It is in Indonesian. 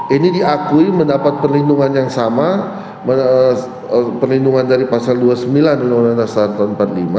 ini diakui mendapat perlindungan yang sama perlindungan dari pasal dua puluh sembilan undang undang dasar tahun seribu sembilan ratus empat puluh lima